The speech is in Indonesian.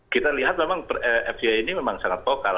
kita lihat memang fca ini memang sangat vokal